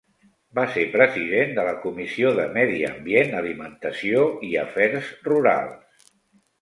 Va ser president de la Comissió de Medi Ambient, Alimentació i Afers Rurals.